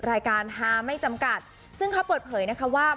รายการฮาไม่จำกัดซึ่งเขาเปิดเผยนะคะว่า